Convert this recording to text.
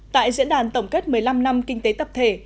tại diễn đàn tổng kết một mươi năm năm kinh tế tập thể